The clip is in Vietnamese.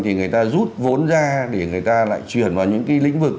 thì người ta rút vốn ra để người ta lại chuyển vào những cái lĩnh vực